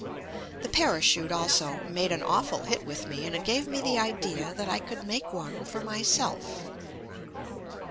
The parachute, also, made an awful hit with me, and it gave me the idea that I could make one for myself.